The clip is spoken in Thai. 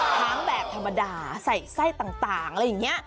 ทั้งแบบธรรมดาใส่ไส้ต่างอะไรอย่างนี้